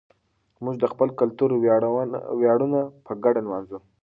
موږ د خپل کلتور ویاړونه په ګډه لمانځو.